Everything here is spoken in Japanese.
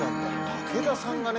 武田さんがね